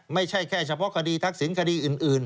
ไม่ใช่แค่เฉพาะคดีทักษิณคดีอื่น